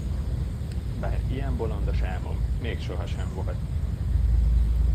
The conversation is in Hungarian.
Bár ilyen bolondos álmom még sohasem volt.